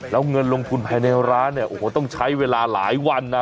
แล้วเงินลงทุนภายในร้านเนี่ยโอ้โหต้องใช้เวลาหลายวันนะ